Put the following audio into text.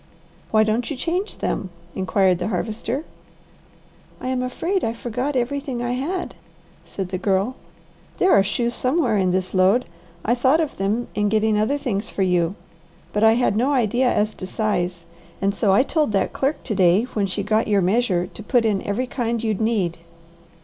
"Why don't you change them?" inquired the Harvester. "I am afraid I forgot everything I had," said the Girl. "There are shoes somewhere in this load. I thought of them in getting other things for you, but I had no idea as to size, and so I told that clerk to day when she got your measure to put in every kind you'd need."